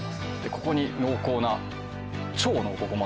ここに濃厚な超濃厚ごま